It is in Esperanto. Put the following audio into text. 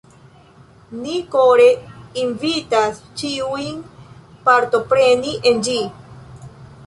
Ni kore invitas ĉiujn partopreni en ĝi!